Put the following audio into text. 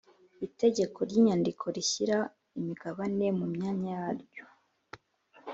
Itegeko ry inyandiko rishyira imigabane mumyanya yaryo